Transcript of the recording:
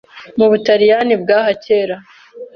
mu Butaliyani bwaha kera